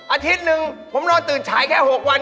อาทิตย์หนึ่งผมนอนตื่นฉายแค่๖วัน